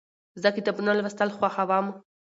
زه کتابونه لوستل خوښوم.